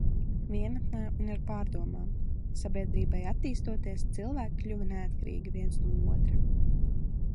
Vienatnē un ar pārdomām. Sabiedrībai attīstoties, cilvēki kļuva neatkarīgi viens no otrā.